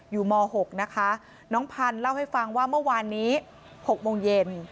ม๖นะคะน้องพันธ์เล่าให้ฟังว่าเมื่อวานนี้๖โมงเย็น